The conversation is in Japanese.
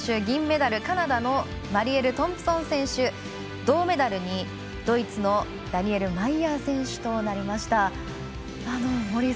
銀メダル、カナダのマリエル・トンプソン選手銅メダルに、ドイツのダニエラ・マイヤー選手となりました。